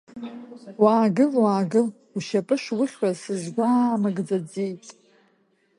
Уаагыл, уаагыл, ушьапы шухьуаз сызгәаамыгӡаӡеит.